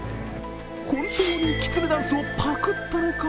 本当にきつねダンスをパクったのか？